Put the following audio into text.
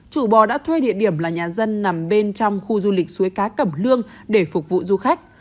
chủ bò đã thuê địa điểm là nhà dân nằm bên trong khu du lịch suối cá cẩm lương để phục vụ du khách